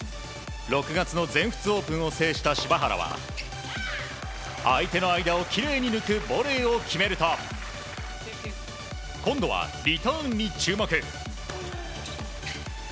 ６月の全仏オープンを制した柴原は相手の間をきれいに抜くボレーを決めると今度はリターンに注目。